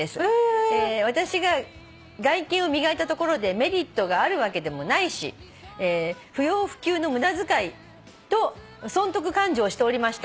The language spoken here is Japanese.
「私が外見を磨いたところでメリットがあるわけでもないし不要不急の無駄遣いと損得勘定しておりました」